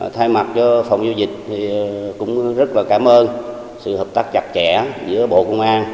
thay mặt cho phòng giao dịch thì cũng rất là cảm ơn sự hợp tác chặt chẽ giữa bộ công an